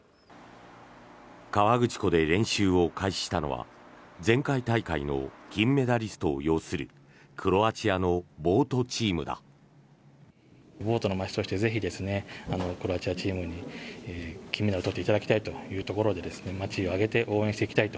河口湖で練習を開始したのは前回大会の金メダリストを擁するクロアチアのボートチームだ。